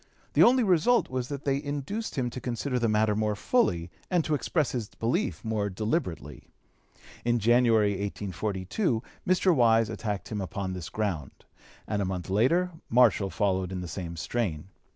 The only result was that they induced him to consider the matter more (p. 263) fully, and to express his belief more deliberately. In January, 1842, Mr. Wise attacked him upon this ground, and a month later Marshall followed in the same strain.